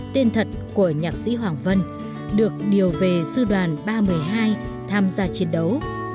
tên thật của nhạc sĩ hoàng vân được điều về sư đoàn ba mươi hai tham gia chiến đấu